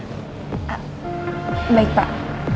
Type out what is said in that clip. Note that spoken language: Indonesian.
ah baik pak